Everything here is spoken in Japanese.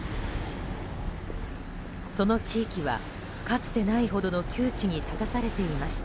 その地域は、かつてないほどの窮地に立たされていました。